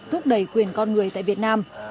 thúc đẩy quyền con người tại việt nam